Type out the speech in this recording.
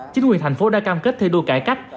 chính quyền thành phố đã cam kết thi đua cải cách